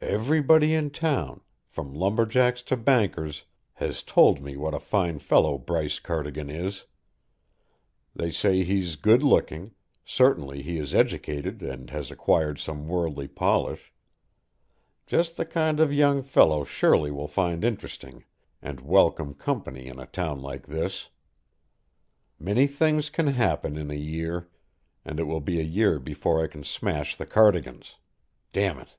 Everybody in town, from lumberjacks to bankers, has told me what a fine fellow Bryce Cardigan is. They say he's good looking; certainly he is educated and has acquired some worldly polish just the kind of young fellow Shirley will find interesting and welcome company in a town like this. Many things can happen in a year and it will be a year before I can smash the Cardigans. Damn it!"